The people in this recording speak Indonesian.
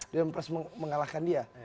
di dalam press mengalahkan dia